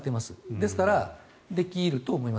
ですから、できると思います。